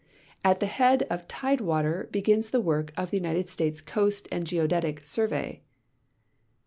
At the head of tide water begins the work of the United States Coast and Geodetic Survey.